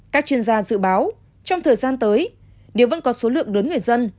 các chuyên gia dự báo trong thời gian tới nếu vẫn có số lượng lớn người dân